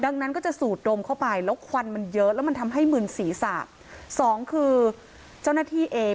ดังนั้นก็จะสูดดมเข้าไปแล้วควันมันเยอะแล้วมันทำให้มึนศีรษะสองคือเจ้าหน้าที่เอง